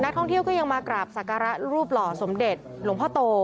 ท่องเที่ยวก็ยังมากราบศักระรูปหล่อสมเด็จหลวงพ่อโต